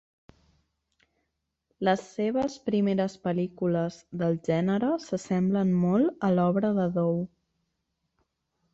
Les seves primeres pel·lícules del gènere s'assemblen molt a l'obra de Dou.